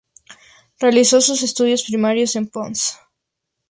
Realizó sus estudios primarios en Ponce.